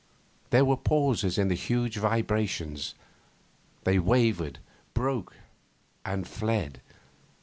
There were pauses in the huge vibrations: they wavered, broke, and fled.